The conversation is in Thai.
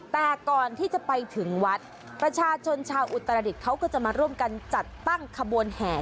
แต่ก่อนที่จะไปถึงวัดประชาชนชาวอุตรดิษฐ์เขาก็จะมาร่วมกันจัดตั้งขบวนแห่